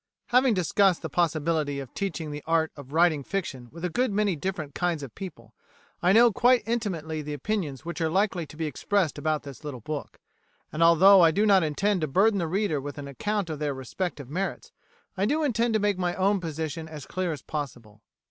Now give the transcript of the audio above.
Having discussed the possibility of teaching the art of writing fiction with a good many different kinds of people, I know quite intimately the opinions which are likely to be expressed about this little book; and although I do not intend to burden the reader with an account of their respective merits, I do intend to make my own position as clear as possible.